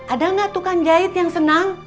ada nggak tukang jahit yang senang